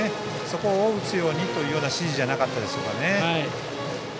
そこを打つようにという指示じゃなかったでしょうか。